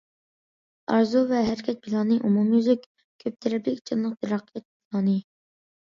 ئارزۇ ۋە ھەرىكەت پىلانى ئومۇميۈزلۈك، كۆپ تەرەپلىك، جانلىق تەرەققىيات پىلانى.